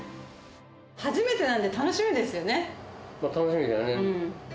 初めてなんで、楽しみですよ楽しみだね。